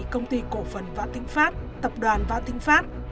công ty cổ phần vã tĩnh pháp tập đoàn vã tĩnh pháp